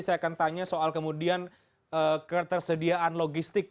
saya akan tanya soal kemudian ketersediaan logistik